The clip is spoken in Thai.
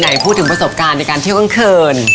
ไหนพูดถึงประสบการณ์ในการเที่ยวกลางคืน